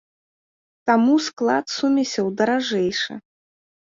Таму склад сумесяў даражэйшы.